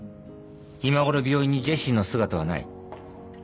今ごろ病院にジェシーの姿はない。